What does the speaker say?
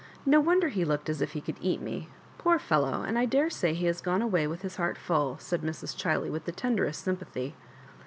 No wonder be looked as if he could eat me ! Poor fellow 1 and I dare say he has gone away with his heart full," said Mrs. Chiley, with the tenderest sympathy.